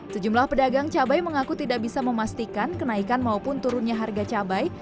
sejumlah pedagang cabai mengaku tidak bisa memastikan kenaikan maupun turunnya harga cabai